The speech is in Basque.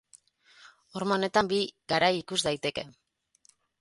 Horma honetan bi garai ikus daiteke.